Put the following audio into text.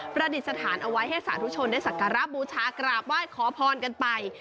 ประดิษฐานเอาไว้ให้สาธุชนได้สักการะบูชากราบไหว้ขอพรกันไป